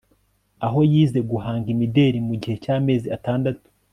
aho yize guhanga imideli mu gihe cy'amezi atandatu